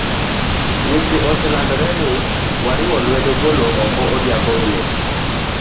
Weche oselandore ni wariwo lwedo golo oko Odhiambo e loch.